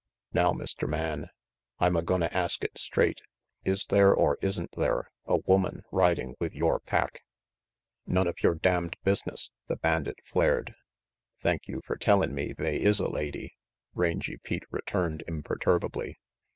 Now, Mr. Man, I'm a gonna ask it straight. Is there, or isn't there a woman a riding with yore pack?" RANGY PETE 81 "None of your damned business," the bandit flared. "Thank you for tellin' me they is a lady," Rangy Pete returned imperturbably.